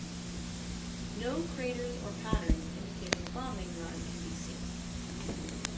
No craters or patterns indicating a bombing run can be seen.